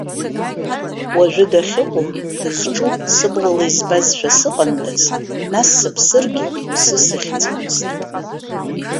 Уажәы дахьыҟоу, дызҿу сыблала избазшәа сыҟандаз, нас сыԥсыргьы, ԥсы сыхьӡымызт.